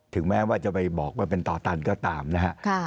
แม้ว่าจะไปบอกว่าเป็นต่อตันก็ตามนะฮะ